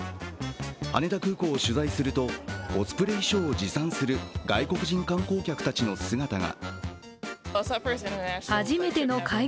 羽田空港を取材するとコスプレ衣装を持参する外国人観光客たちの姿が。